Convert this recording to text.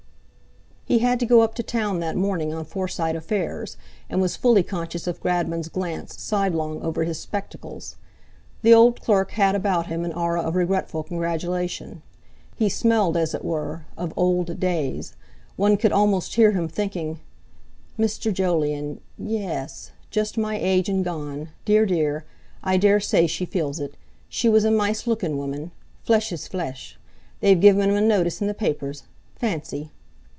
He had to go up to Town that morning on Forsyte affairs, and was fully conscious of Gradman's glance sidelong over his spectacles. The old clerk had about him an aura of regretful congratulation. He smelled, as it were, of old days. One could almost hear him thinking: "Mr. Jolyon, ye es—just my age, and gone—dear, dear! I dare say she feels it. She was a nice lookin' woman. Flesh is flesh! They've given 'im a notice in the papers. Fancy!"